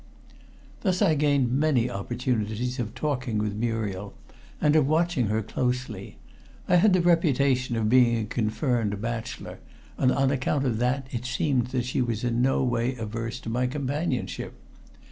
Thus I gained many opportunities of talking with Muriel, and of watching her closely. I had the reputation of being a confirmed bachelor, and on account of that it seemed that she was in no way averse to my companionship.